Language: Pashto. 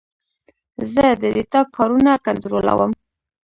زه د ډیټا کارونه کنټرولوم.